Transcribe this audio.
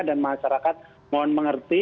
dan masyarakat mohon mengerti